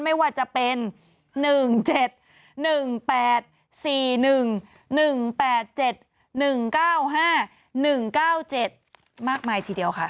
ไม่ว่าจะเป็น๑๗๑๘๔๑๑๘๗๑๙๕๑๙๗มากมายทีเดียวค่ะ